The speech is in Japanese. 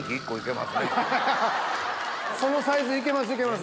そのサイズいけますいけます。